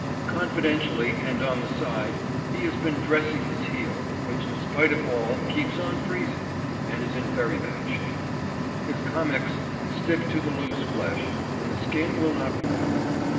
Confidentially and on the side he has been dressing his heel, which in spite of all keeps on freezing, and is in very bad shape. His kamiks stick to the loose flesh and the skin will not form.